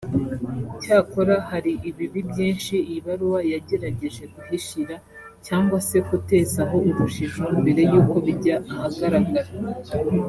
Cyakora hari ibibi byinshi iyi baruwa yagerageje guhishira cyangwa se kutezaho urujijo mbere y’uko bijya ahagaragara